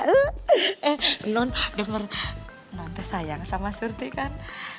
eh non denger non teh sayang sama surti kan